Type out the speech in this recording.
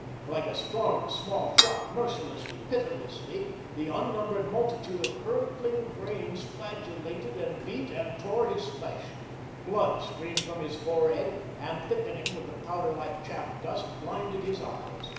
Like a storm of small shot, mercilessly, pitilessly, the unnumbered multitude of hurtling grains flagellated and beat and tore his flesh. Blood streamed from his forehead and, thickening with the powder like chaff dust, blinded his eyes.